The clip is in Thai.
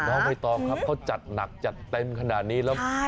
ไม่ต้องครับเขาจัดหนักจัดเต็มขนาดนี้แล้ว